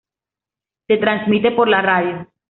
Se transmite por la radio.